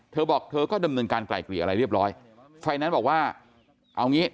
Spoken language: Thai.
เธอบอกเธอก็ดำเนินการไกลเกลี่ยอะไรเรียบร้อยไฟแนนซ์บอกว่าเอางี้